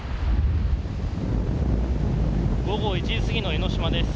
午後１時過ぎの江の島です。